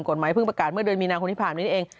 กฎหมายเพิ่งประการเมื่อเดือนมีนาคมที่ผ่านนี้เอง